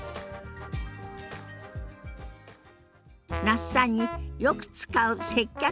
那須さんによく使う接客